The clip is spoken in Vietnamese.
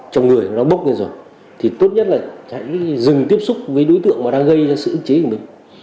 trong người nó bốc lên rồi thì tốt nhất là hãy dừng tiếp xúc với đối tượng mà đang gây ra sự ứng chế của mình